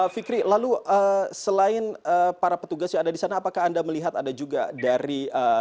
fikri lalu selain para petugas yang ada di sana apakah anda melihat ada juga dari